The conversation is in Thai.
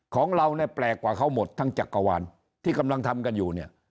ของเราเนี่ยแปลกกว่าเขาหมดทั้งจักรวาลที่กำลังทำกันอยู่เนี่ย